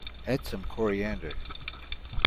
Add some coriander.